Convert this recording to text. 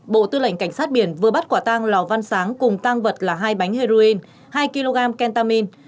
bộ tư lệnh cảnh sát biển vừa bắt quả tang lò văn sáng cùng tăng vật là hai bánh heroin hai kg kentamin